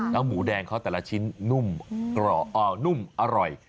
แล้วหมูแดงเขาแต่ละชิ้นนุ่มอร่อย